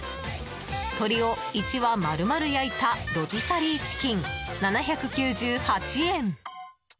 鳥を１羽丸々焼いたロティサリーチキン、７９８円。